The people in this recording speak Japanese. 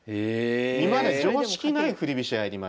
今まで常識ない振り飛車やりまして。